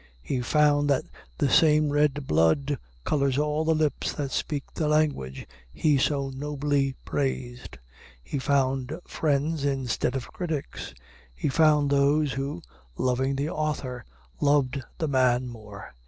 He found that the same red blood colors all the lips that speak the language he so nobly praised. He found friends instead of critics. He found those who, loving the author, loved the man more.